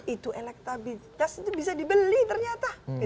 itu elektabilitas itu bisa dibeli ternyata